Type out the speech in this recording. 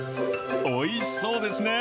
おいしそうですね。